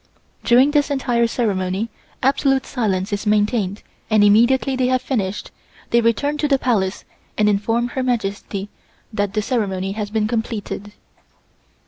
During this entire ceremony absolute silence is maintained and immediately they have finished, they return to the Palace and inform Her Majesty that the ceremony has been completed.